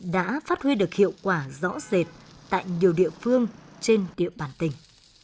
đã phát huy được hiệu quả rõ rệt tại nhiều địa phương trên địa bàn tỉnh